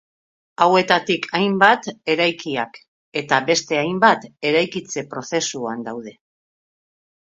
Hauetatik hainbat eraikiak, eta beste hainbat eraikitze prozesuan daude.